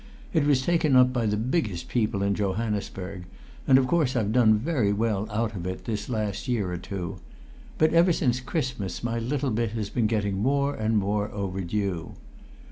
It was taken up by the biggest people in Johannesburg, and of course I've done very well out of it, this last year or two; but ever since Christmas my little bit has been getting more and more overdue.